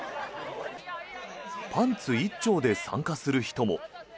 パンツ一丁で参加する人も。